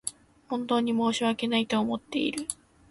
本当に申し訳ないと思っている